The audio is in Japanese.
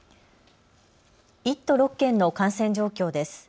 １都６県の感染状況です。